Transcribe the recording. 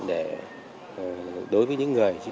để đối với những người